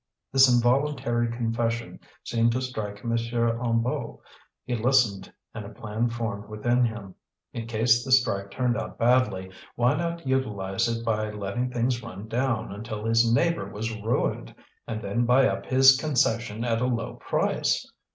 This involuntary confession seemed to strike M. Hennebeau. He listened and a plan formed within him: in case the strike turned out badly, why not utilize it by letting things run down until his neighbour was ruined, and then buy up his concession at a low price?